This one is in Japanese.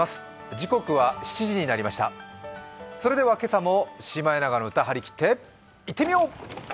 それでは今朝も「シマエナガの歌」張り切っていってみよう。